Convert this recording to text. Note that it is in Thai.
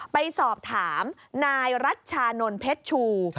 ไปสอบถามนายรัชชานนท์เพชรชู